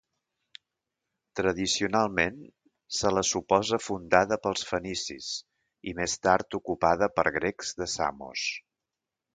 Tradicionalment se la suposa fundada pels fenicis i més tard ocupada per grecs de Samos.